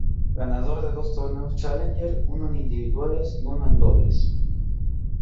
Ganador de dos torneos Challenger, uno en individuales y uno en dobles.